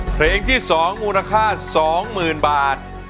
เพลงที่สองมูลค่าสองหมื่นบาท